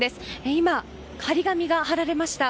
今、貼り紙が貼られました。